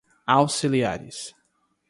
auxiliares